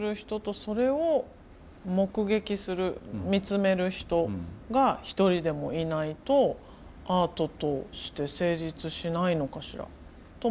それを目撃する見つめる人が１人でもいないとアートとして成立しないのかしらとも。